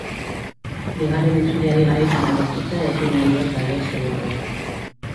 Bigarren itzuliari garaipena lortuta ekin nahi dio talde zuri-gorriak.